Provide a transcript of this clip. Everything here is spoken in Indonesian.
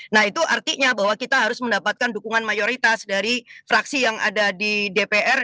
nah itu artinya bahwa kita harus mendapatkan dukungan mayoritas dari fraksi yang ada di dpr